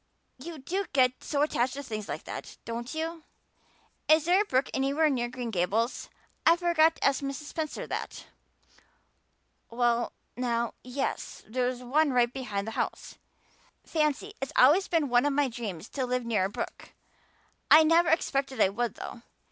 You do get so attached to things like that, don't you? Is there a brook anywhere near Green Gables? I forgot to ask Mrs. Spencer that." "Well now, yes, there's one right below the house." "Fancy. It's always been one of my dreams to live near a brook. I never expected I would, though.